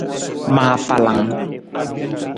Ma afalang.